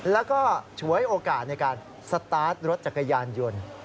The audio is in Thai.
แล้วก็ฉวยโอกาสในการสตาร์ทรถจักรยานยนต์